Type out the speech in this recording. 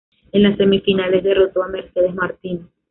En las semifinales, derrotó a Mercedes Martinez.